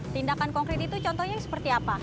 tindakan konkret itu contohnya seperti apa